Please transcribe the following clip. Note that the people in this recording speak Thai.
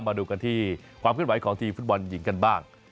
มาดูกันที่ความขึ้นไหวของทีมฟุตบอลหญิงกันบ้าง